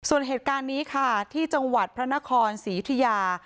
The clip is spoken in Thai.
ส่วนเหตุการณ์นี้ค่ะที่จังหวัดพระนครศรียุธิยา